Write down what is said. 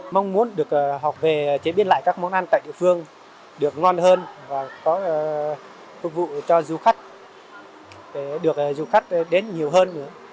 mong muốn được học về chế biến lại các món ăn tại địa phương được ngon hơn và có phục vụ cho du khách để được du khách đến nhiều hơn nữa